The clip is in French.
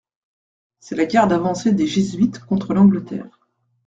C'est la garde avancée des jésuites contre l'Angleterre.